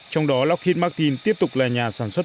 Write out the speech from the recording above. trong đó lockheed martin tiếp tục là nhà sản xuất